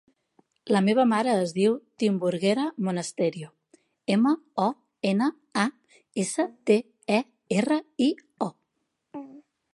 La meva mare es diu Timburguera Monasterio: ema, o, ena, a, essa, te, e, erra, i, o.